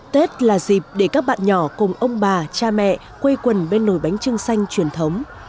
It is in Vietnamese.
tết là dịp để các bạn nhỏ cùng ông bà cha mẹ quây quần bên nồi bánh trưng xanh truyền thống